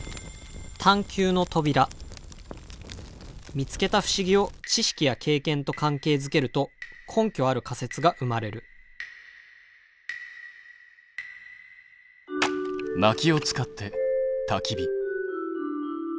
見つけた不思議を知識や経験と関係づけると根拠ある仮説が生まれるまきを使ってたき火。